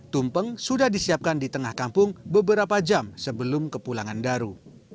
tumpeng sudah disiapkan di tengah kampung beberapa jam sebelum kepulangan daru